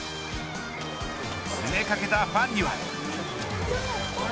詰めかけたファンには。